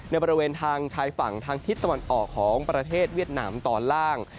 บริเวณทางชายฝั่งทางทิศตะวันออกของประเทศเวียดนามตอนล่าง